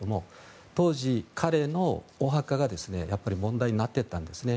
当時、彼のお墓が問題になっていたんですね。